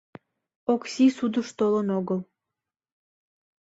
Окси судыш толын огыл...